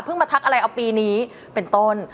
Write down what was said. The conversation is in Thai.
มาทักอะไรเอาปีนี้เป็นต้น